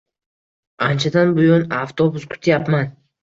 Anchadan buyon avtobus kutyapman